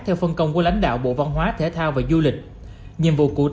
theo phân công của lãnh đạo bộ văn hóa thể thao và du lịch